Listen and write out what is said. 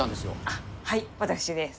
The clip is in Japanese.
あっ、はい、私です。